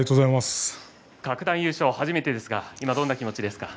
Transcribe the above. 各段優勝、初めてですが今どんな気持ちですか？